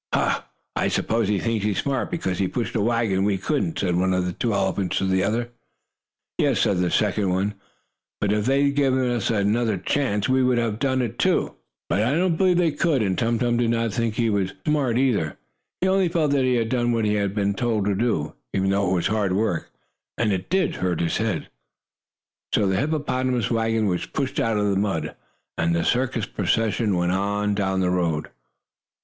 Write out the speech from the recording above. "Huh! I s'pose he thinks he's smart, because he pushed a wagon we couldn't," said one of the two elephants to the other. "Yes," said the second one, "but if they'd given us another chance, we could have done it, too." [Illustration: The big hippopotamus wagon rolled out of the mud, and on to the firm, hard road. Page 84] But I do not believe they could. And Tum Tum did not think he was "smart," either. He only felt that he had done what he had been told to do, even though it was hard work, and did hurt his head. So the hippopotamus wagon was pushed out of the mud, and the circus procession went on down the road.